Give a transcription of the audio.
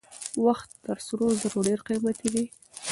وخت تر سرو زرو ډېر قیمتي دی.